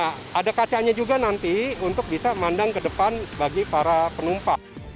nah ada kacanya juga nanti untuk bisa mandang ke depan bagi para penumpang